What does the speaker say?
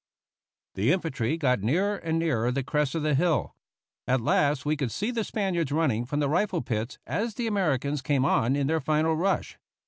The infantry got nearer and nearer the crest of the hill. At last we could see the Spaniards running from the rifle pits as the Americans came on in their final rush.